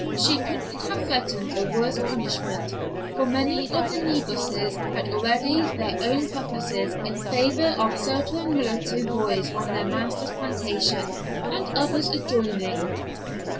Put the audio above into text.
She couldn't have threatened a worse punishment, for many of the negresses had already their own preferences in favor of certain mulatto boys on their master's plantation and others adjoining.